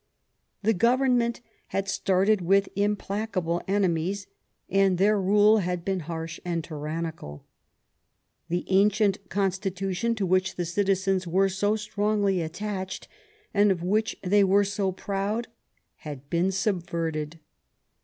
The Government had started with implacable enemies, and their rule had been harsh and tyrannical. The ancient constitution to which the citizens were so strongly attached and of which they were so proud, had been subverted.